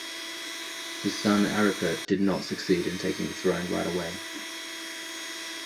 His son Aripert did not succeed in taking the throne right away.